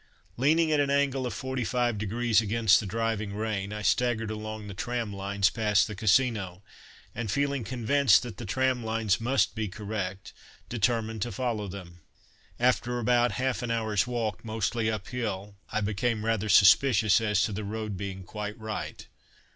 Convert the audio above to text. Leaning at an angle of forty five degrees against the driving rain, I staggered along the tram lines past the Casino, and feeling convinced that the tram lines must be correct, determined to follow them. After about half an hour's walk, mostly uphill, I became rather suspicious as to the road being quite right.